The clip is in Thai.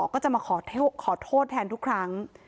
ก็จะมาขอโทษแทนทุกครั้ง